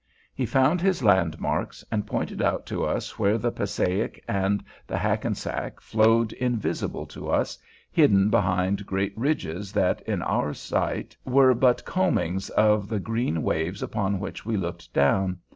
He found his landmarks, and pointed out to us where the Passaic and the Hackensack flowed, invisible to us, hidden behind great ridges that in our sight were but combings of the green waves upon which we looked down.